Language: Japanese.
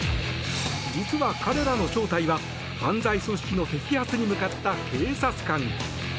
実は、彼らの正体は犯罪組織の摘発に向かった警察官。